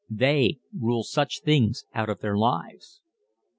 They rule such things out of their lives.